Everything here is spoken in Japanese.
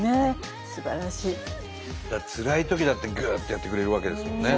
つらいときだってグ！ってやってくれるわけですもんね。